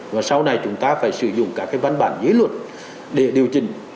và sau này chúng ta phải sử dụng các cái văn bản dưới luật để điều chỉnh